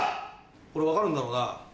これ分かるんだろうな？